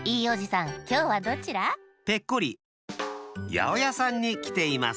やおやさんにきています。